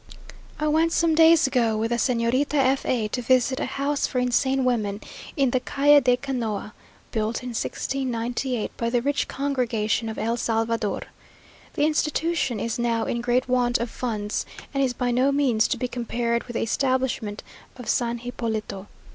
I went some days ago with the Señorita F a to visit a house for insane women, in the Calle de Canoa, built in 1698, by the rich congregation of el Salvador. The institution is now in great want of funds; and is by no means to be compared with the establishment of San Hipólito.